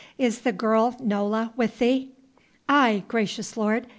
Is the girl Nola with thee?" "Aye, gracious lord.